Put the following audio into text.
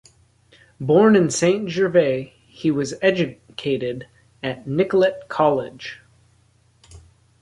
Born in Saint Gervais, he was educated at Nicolet College.